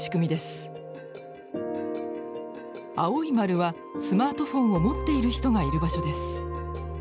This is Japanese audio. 青い丸はスマートフォンを持っている人がいる場所です。